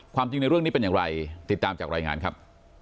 จริงในเรื่องนี้เป็นอย่างไรติดตามจากรายงานครับ